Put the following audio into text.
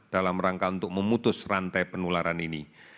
dalam rangka untuk memutus rantai penularan ini